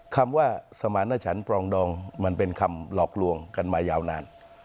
คำว่าสมารณชันปรองดองมันเป็นคำหลอกลวงกันมายาวนาน